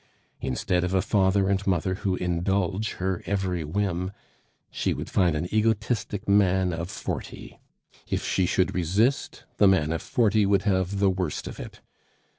Instead of a father and mother who indulge her every whim, she would find an egotistic man of forty; if she should resist, the man of forty would have the worst of it.